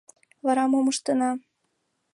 — Вара мом ыштена?